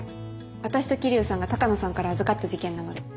私と桐生さんが鷹野さんから預かった事件なので。